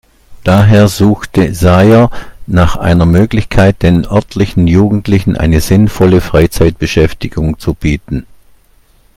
Daher suchte Saier nach einer Möglichkeit, den örtlichen Jugendlichen eine sinnvolle Freizeitbeschäftigung zu bieten.